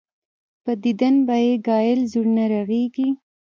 پۀ ديدن به ئې ګهائل زړونه رغيږي